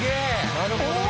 なるほどね！